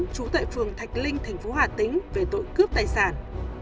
trú tại phường thạch linh thành phố hà tĩnh về tội cướp tài sản